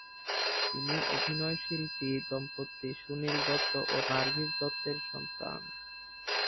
তিনি অভিনয়শিল্পী দম্পতি সুনীল দত্ত ও নার্গিস দত্তের সন্তান।